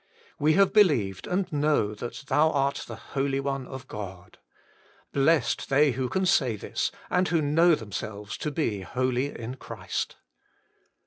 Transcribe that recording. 'We have believed and know that Thou art the Holy One of God' blessed they who can say this, and know themselves to be holy in Christ.